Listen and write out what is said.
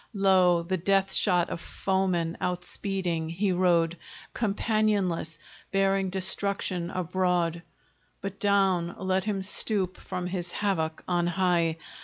Lo! the death shot of foemen outspeeding, he rode Companionless, bearing destruction abroad; But down let him stoop from his havoc on high!